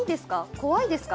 怖いですか？